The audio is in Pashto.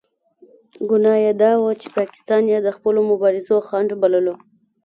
ګناه یې دا وه چې پاکستان یې د خپلو مبارزو خنډ بللو.